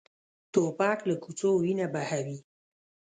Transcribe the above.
توپک له کوڅو وینه بهوي.